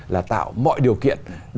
là tạo mọi điều kiện